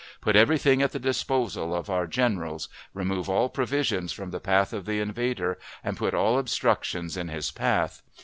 Put every thing at the disposal of our generals; remove all provisions from the path of the invader, and put all obstructions in his path.